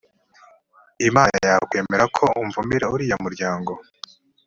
imana yakwemera ko umvumira uriya muryango.